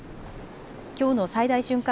きょうの最大瞬間